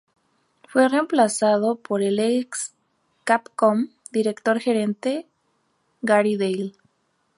Fue reemplazado por el ex Capcom director gerente, Gary Dale.